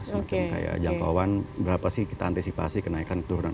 semacam kayak jangkauan berapa sih kita antisipasi kenaikan turunan